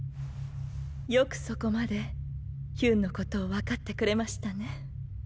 よくそこまでヒュンのことを分かってくれましたね。